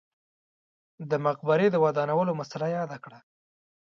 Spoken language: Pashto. د مقبرې د ودانولو مسئله یاده کړه.